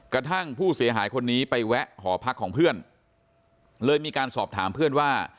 กระทั่งผู้เสียหายคนนี้ไปแวะหอพักของเพื่อนเลยมีการสอบถามเพื่อนว่า